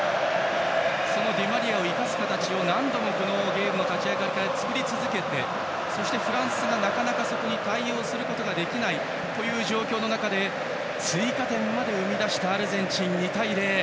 そのディマリアを生かす形を何度もゲームの立ち上がりから作り続けて、フランスがなかなか、そこに対応することができない状況で追加点まで生み出したアルゼンチン、２対０。